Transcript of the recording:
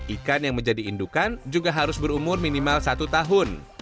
ikan yang menjadi indukan juga harus berumur minimal satu tahun